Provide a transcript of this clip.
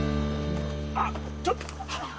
あっちょっと！